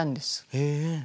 へえ。